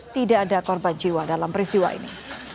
tidak ada korban jiwa dalam peristiwa ini